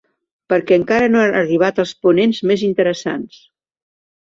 Perquè encara no han arribat els ponents més interessants.